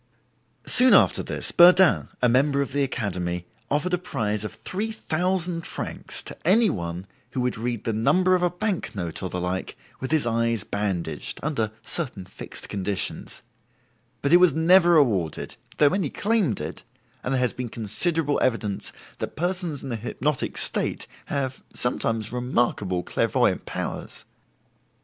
Soon after this Burdin, a member of the Academy, offered a prize of 3,000 francs to any one who would read the number of a bank note or the like with his eyes bandaged (under certain fixed conditions), but it was never awarded, though many claimed it, and there has been considerable evidence that persons in the hypnotic state have (sometimes) remarkable clairvoyant powers.